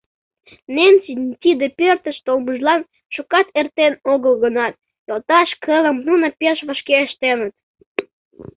Ненсин тиде пӧртыш толмыжлан шукат эртен огыл гынат, йолташ кылым нуно пеш вашке ыштеныт.